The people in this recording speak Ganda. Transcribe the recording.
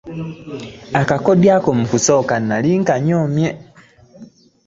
Akakodyo, ll ako mu kusooka nnali nkanyoomye.